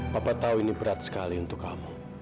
bapak tahu ini berat sekali untuk kamu